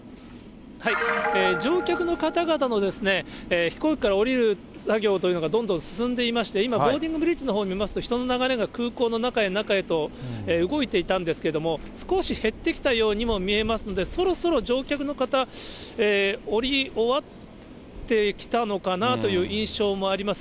乗客の方々の飛行機から降りる作業というのがどんどん進んでいまして、今、ボーディングブリッジのほう見ますと、人の流れが空港の中へ中へと動いていたんですけれども、少し減ってきたようにも見えますので、そろそろ乗客の方、降り終わってきたのかなという印象もあります。